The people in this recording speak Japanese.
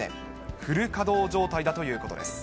フル稼働状態だということです。